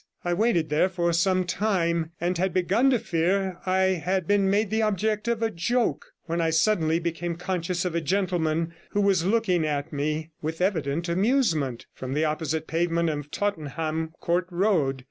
I waited there for some time, and had begun to fear I had been made the object of a joke, when I suddenly became conscious of a gentleman who was looking at me with evident amusement from the opposite pavement of Tottenham Court Road.